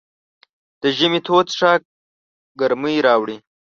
د ژمي تود څښاک ګرمۍ راوړي.